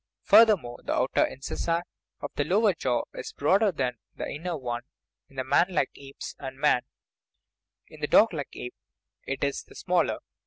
Furthermore, the outer incisor of the lower jaw is broad er than the inner one in the manlike apes and man ; in the doglike ape it is the smaller.